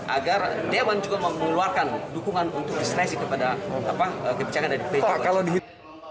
agar dewan juga mengeluarkan dukungan untuk diskresi kepada kebijakan dari pk